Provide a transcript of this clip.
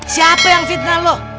siapa yang fitnah lo